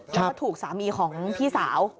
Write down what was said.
แล้วก็ถูกสามีของพี่สาว